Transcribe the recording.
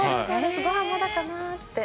ご飯まだかなって。